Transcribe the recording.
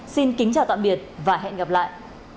xin kính chào tạm biệt và hẹn gặp lại